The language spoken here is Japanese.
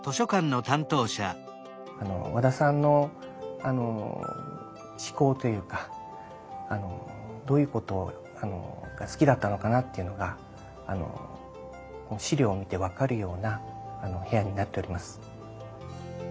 和田さんの嗜好というかどういうことが好きだったのかなというのが資料を見て分かるような部屋になっております。